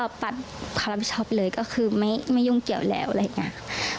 ก็เอาปัดคอลัมชอปเลยก็คือไม่ยุ่งเกี่ยวแล้วอะไรอย่างนี้